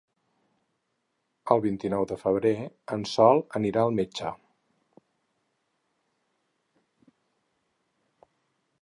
El vint-i-nou de febrer en Sol anirà al metge.